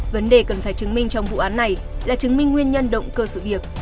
vấn đề cần phải chứng minh trong vụ án này là chứng minh nguyên nhân động cơ sự việc